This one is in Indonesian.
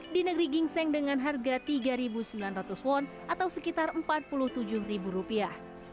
di negeri gingseng dengan harga tiga sembilan ratus won atau sekitar empat puluh tujuh rupiah